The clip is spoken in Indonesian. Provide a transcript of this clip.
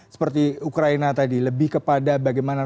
seperti ukraina tadi lebih kepada bagaimana